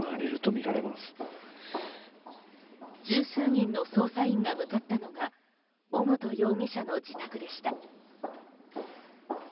十数人の捜査員が向かったのが尾本容疑者の自宅でした。